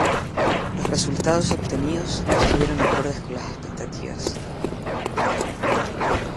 Los resultados obtenidos no estuvieron acordes con las expectativas.